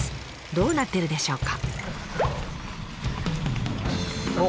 どうなってるでしょうか？